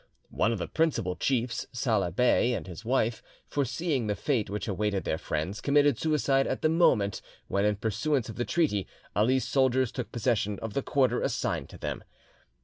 One of the principal chiefs, Saleh Bey, and his wife, foreseeing the fate which awaited their friends, committed suicide at the moment when, in pursuance of the treaty, Ali's soldiers took possession of the quarter assigned to them.